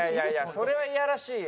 それはいやらしいよ。